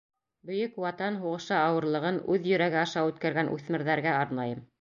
Бөйөк Ватан һуғышы ауырлығын үҙ йөрәге аша үткәргән үҫмерҙәргә арнайым